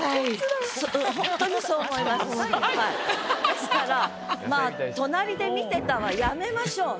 ですからまあ「隣で見てた」はやめましょう。